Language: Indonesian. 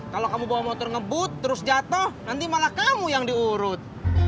kalau kamu bawa motor ngebut terus jatuh nanti malah kamu yang diurut